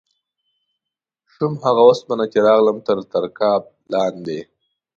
شوم هغه اوسپنه چې راغلم تر رکاب لاندې